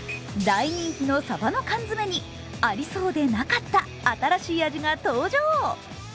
大人気のさばの缶詰にありそうでなかった新しい味が登場。